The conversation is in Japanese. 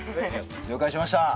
了解しました。